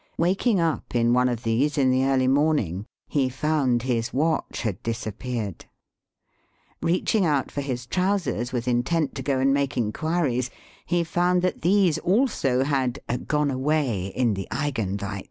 Waking up in one of these in the early morning, he found his watch had disappeared. Beaching out for his trousers with intent to go and make inquiries, he found that these also had " gone away in the eigenweit."